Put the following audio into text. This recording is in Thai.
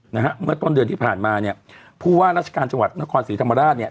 นะฮะเมื่อต้นเดือนที่ผ่านมาเนี่ยผู้ว่าราชการจังหวัดนครศรีธรรมราชเนี่ย